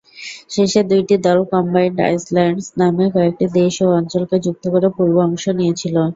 শেষের দুইটি দল কম্বাইন্ড আইল্যান্ডস নামে কয়েকটি দেশ ও অঞ্চলকে যুক্ত করে পূর্বে অংশ নিয়েছিল।